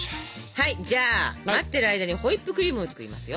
はいじゃあ待ってる間にホイップクリームを作りますよ。